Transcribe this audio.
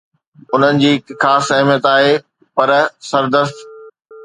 انهن جي هڪ خاص اهميت آهي، پر سردست